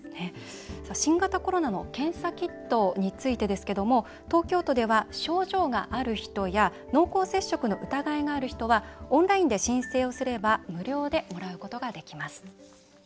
新型コロナの検査キットについてですけども東京都では、症状がある人や濃厚接触の疑いがある人はオンラインで申請をすれば無料で、もらうことができます。